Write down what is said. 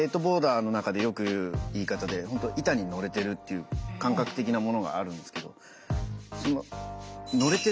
ボーダーの中でよく言う言い方で本当板に乗れてるっていう感覚的なものがあるんですけど